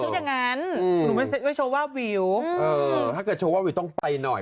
อย่างงั้นอืมก็โชว์วาววิวเออถ้าเกิดโชว์วาววิวต้องไปหน่อย